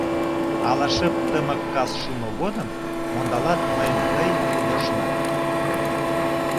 Ала шып тымык кас шумо годым Мондалат мыйым тый йӧршынак.